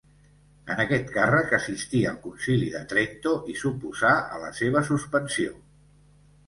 En aquest càrrec assistí al concili de Trento i s’oposà a la seva suspensió.